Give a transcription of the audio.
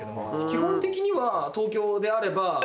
基本的には東京であれば。